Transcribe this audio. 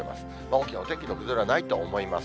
大きなお天気の崩れはないと思います。